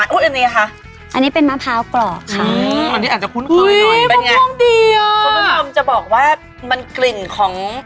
ส่วนนี่ก็เป็นแก้วมังกรแก้วมังกรน้อง